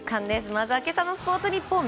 まずは今朝のスポーツニッポン。